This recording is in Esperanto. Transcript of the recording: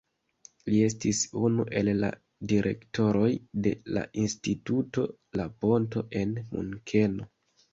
Li estis unu el la direktoroj de la Instituto La Ponto en Munkeno.